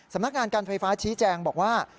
สำนักงานการไฟฟ้าชี้แจงบอกว่า